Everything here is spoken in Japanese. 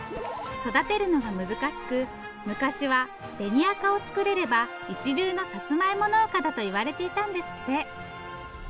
育てるのが難しく昔は紅赤を作れれば一流のさつまいも農家だといわれていたんですって。